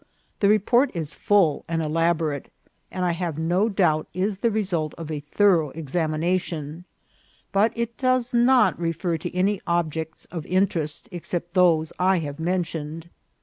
This report is full and elaborate, and I have no doubt is the result of a thorough examination, but it does not refer to any objects of interest except those I have mentioned.